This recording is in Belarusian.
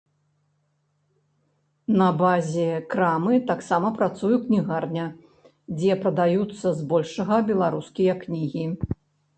На базе крамы таксама працуе кнігарня, дзе прадаюцца збольшага беларускія кнігі.